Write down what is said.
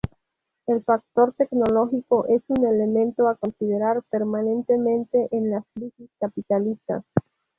El factor tecnológico es un elemento a considerar permanentemente en las crisis capitalistas.